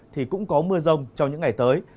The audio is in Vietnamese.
thì cũng có mưa rông trong những ngày tới